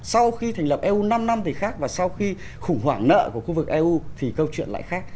sau khi thành lập eu năm năm thì khác và sau khi khủng hoảng nợ của khu vực eu thì câu chuyện lại khác